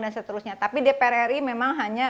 dan seterusnya tapi dpr ri memang hanya